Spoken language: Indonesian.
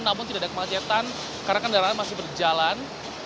namun tidak ada kemacetan karena kendaraan masih berjalan